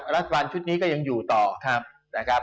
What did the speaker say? รัฐบาลชุดนี้ก็ยังอยู่ต่อนะครับ